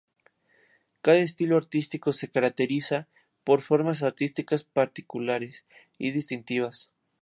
Cada estilo artístico se caracteriza por formas artísticas particulares y distintivas.